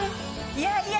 いやいや。